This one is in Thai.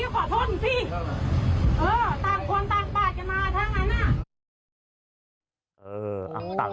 เออต่างคนต่างปาดกันมาทั้งอันน่ะ